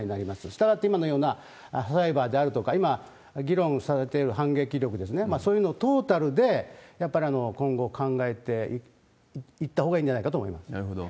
したがって、今のようなサイバーであるとか、いま議論されている反撃力ですね、そういうのトータルで、やっぱり今後、考えていったほうがいいんなるほど。